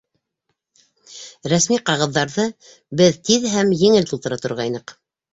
Рәсми ҡағыҙҙарҙы беҙ тиҙ һәм еңел тултыра торғайныҡ.